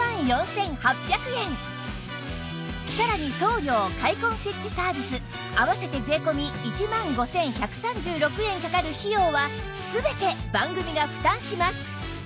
さらに送料開梱設置サービス合わせて税込１万５１３６円かかる費用は全て番組が負担します